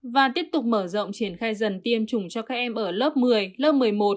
và tiếp tục mở rộng triển khai dần tiêm chủng cho các em ở lớp một mươi lớp một mươi một